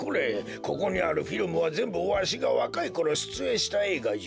ここにあるフィルムはぜんぶわしがわかいころしゅつえんしたえいがじゃ。